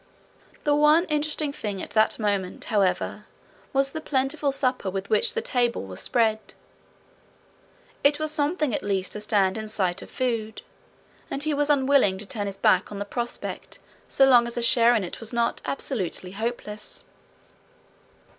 The one interesting thing at the moment, however, was the plentiful supper with which the table was spread. It was something at least to stand in sight of food, and he was unwilling to turn his back on the prospect so long as a share in it was not absolutely hopeless.